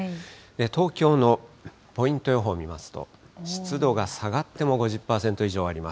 東京のポイント予報見ますと、湿度が下がっても５０％以上ありま